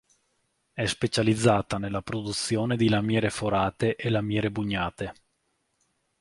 È specializzata nella produzione di lamiere forate e lamiere bugnate.